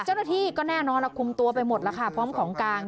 เจ้าหน้าที่ก็แน่นอนแล้วคุมตัวไปหมดแล้วค่ะพร้อมของกลาง